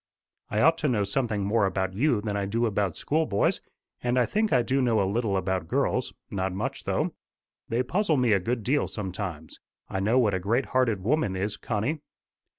"I ought to know something more about you than I do about schoolboys. And I think I do know a little about girls not much though. They puzzle me a good deal sometimes. I know what a great hearted woman is, Connie."